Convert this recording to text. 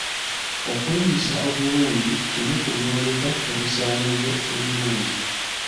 Okweyisa obulungi kimu ku byoleka ebisaanizo ebirungi.